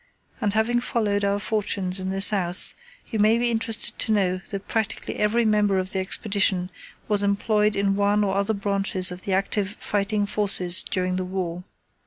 And having followed our fortunes in the South you may be interested to know that practically every member of the Expedition was employed in one or other branches of the active fighting forces during the war.